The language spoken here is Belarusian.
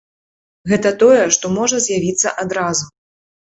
Гэта тое, што можа з'явіцца адразу.